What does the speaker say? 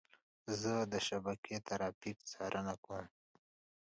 زه د شبکې ترافیک څارنه کوم.